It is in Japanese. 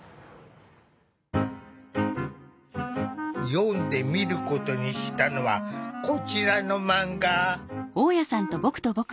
読んでみることにしたのはこちらのマンガ。